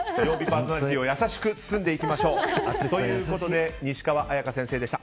パーソナリティーを優しく包んでいきましょう。ということで西川礼華先生でした。